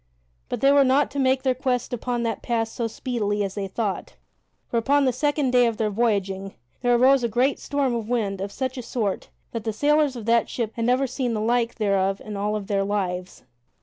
But they were not to make their quest upon that pass so speedily as they thought, for, upon the second day of their voyaging, there arose a great storm of wind of such a sort that the sailors of that ship had never seen the like thereof in all of their lives.